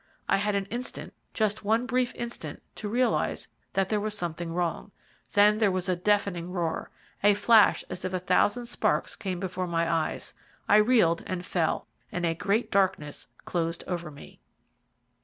I had an instant, just one brief instant, to realize that there was something wrong there was a deafening roar a flash as if a thousand sparks came before my eyes I reeled and fell, and a great darkness closed over me.